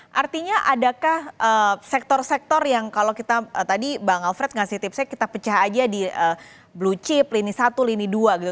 nah artinya adakah sektor sektor yang kalau kita tadi bang alfred ngasih tipsnya kita pecah aja di blue chip lini satu lini dua gitu